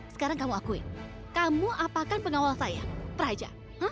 sekarang kamu akuin kamu apakan pengawal saya praja